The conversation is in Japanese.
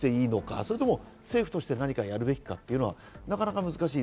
それとも政府として何かやるべきか、なかなか難しい。